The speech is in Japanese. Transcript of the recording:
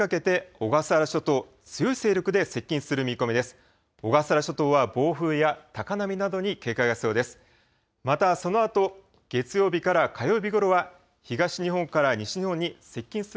小笠原諸島は暴風や高波などに警戒が必要です。